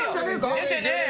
出てねえよ。